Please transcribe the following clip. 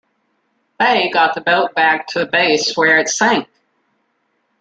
Fay got the boat back to base where it sank.